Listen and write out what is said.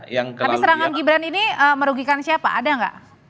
tapi serangan gibran ini merugikan siapa ada nggak